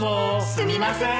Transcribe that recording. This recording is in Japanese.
すみません